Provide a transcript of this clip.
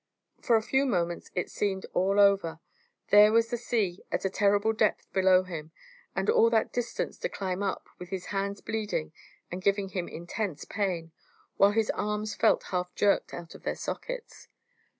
For a few moments it seemed all over; there was the sea at a terrible depth below him, and all that distance to climb up with his hands bleeding and giving him intense pain, while his arms felt half jerked out of their sockets.